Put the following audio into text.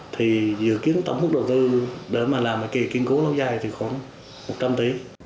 thì dự kiến tổng mức đầu tư để mà làm cái kỳ kiên cố lâu dài thì khoảng một trăm linh tỷ